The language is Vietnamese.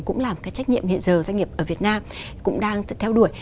cũng là một cái trách nhiệm hiện giờ doanh nghiệp ở việt nam cũng đang theo đuổi